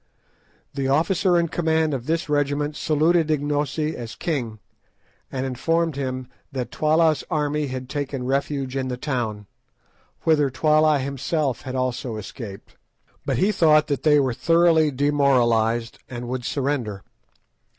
The officer in command of this regiment saluted Ignosi as king, and informed him that Twala's army had taken refuge in the town, whither Twala himself had also escaped, but he thought that they were thoroughly demoralised, and would surrender.